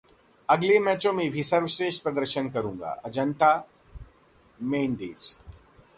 अगले मैचों में भी सर्वश्रेष्ठ प्रदर्शन करूंगा: अजंता मेंडिस